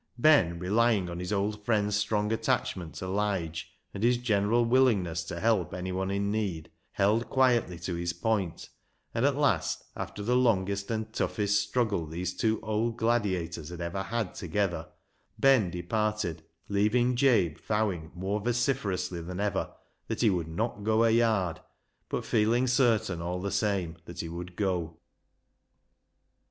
Ben, relying on his old friend's strong attach ment to Lige, and his general willingness to help anyone in need, held quietly to his point, and at last, after the longest and toughest struggle these two old gladiators ever had together, Ben departed, leaving Jabe vowing more vociferously than ever that he would not go a yard, but feeling certain all the same that he would go.